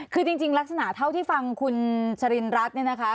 คือจริงลักษณะเท่าที่ฟังคุณชรินรัฐเนี่ยนะคะ